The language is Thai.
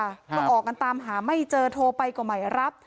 ก็ออกกันตามหาไม่เจอโทรไปก็ไม่รับ